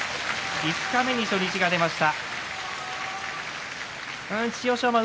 五日目に白星が出ました。